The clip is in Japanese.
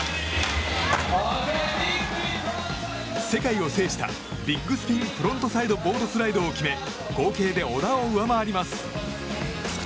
世界を制したビッグスピンフロントサイドボードスライドを決め合計で織田を上回ります。